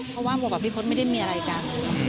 เพราะว่าประบาทพี่โพธิ์ไม่ได้มีอะไรกัน